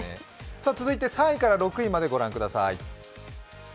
続いて３位から６位まで御覧ください。